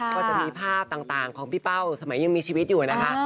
ก็จะมีภาพต่างของพี่เป้าสมัยยังมีชีวิตอยู่นะคะ